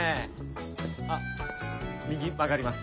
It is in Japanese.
あっ右曲がります。